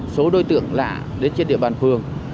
số đối tượng lạ đến trên địa bàn phường